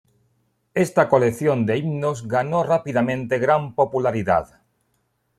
Esta colección de himnos ganó rápidamente gran popularidad.